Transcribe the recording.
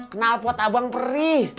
kenal pot abang perih